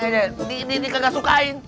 dia gak sukain